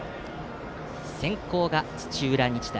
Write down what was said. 先攻が土浦日大。